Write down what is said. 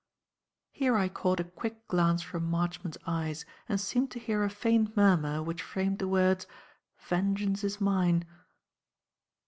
Here I caught a quick glance from Marchmont's eyes and seemed to hear a faint murmur which framed the words "Vengeance is mine."